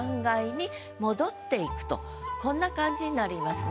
こんな感じになりますね。